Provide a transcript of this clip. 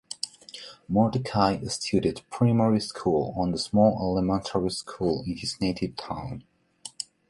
Mordecai studied primary school on a small elementary school in his native town.